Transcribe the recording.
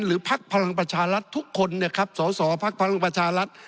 หรือภักดิ์พลังประชารัฐทุกคนเนี่ยครับส่อภักดิ์พลังประชารัฐ